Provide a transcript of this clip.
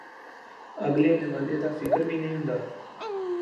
ਅੱਗਲੇ ਨਿਵਾਲ਼ੇਂ ਦਾ ਫ਼ਿਕਰ ਵੀ ਨਹੀਂ ਹੁੰਦਾ